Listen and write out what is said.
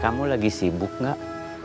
kamu lagi sibuk gak